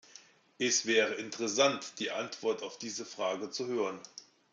Es wäre interessant, die Antwort auf diese Frage zu hören.